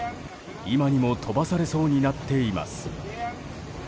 今にも飛ばされそうになっています。